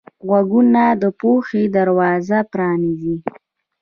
غوږونه د پوهې دروازه پرانیزي